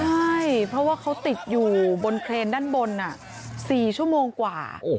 ใช่เพราะว่าเขาติดอยู่บนเครนด้านบน๔ชั่วโมงกว่า